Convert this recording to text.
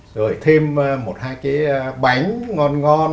rồi thêm một hai cái bánh ngon ngon